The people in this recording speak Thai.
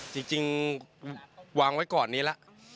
จริงวางไว้ก่อนนี้แล้ว